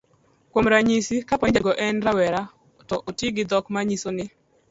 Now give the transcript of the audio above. kuom ranyisi, kapo ni jatuko en rawera, to oti gi dhok manyiso ni